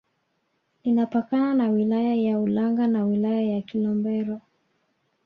Linapakana na wilaya ya Ulanga na wilaya ya Kilombero